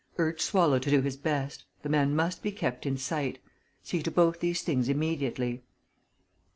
Urge Swallow to do his best the man must be kept in sight. See to both these things immediately."